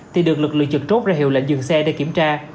thì được lực lượng trực chốt ra hiệu lệnh dừng xe để kiểm tra